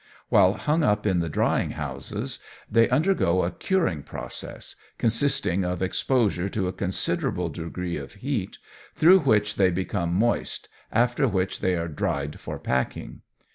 While hung up in the drying houses, they undergo a curing process, consisting of exposure to a considerable degree of heat, through which they become moist, after which they are dried for packing.